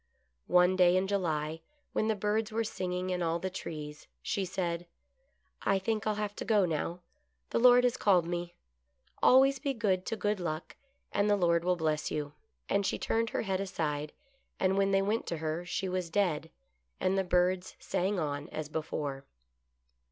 One day in July, when the birds were singing in all the trees, she said ;" I think I'll have to go now — the Lord has called me ; always be good to Good Luck and the Lord will bless you" — and she turned her head 54 GOOD LUCK. aside, and when they went to her she was dead, and the birds sang on as before.